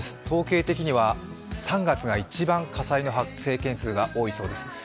統計的には３月が一番火災の発生件数が多いそうです。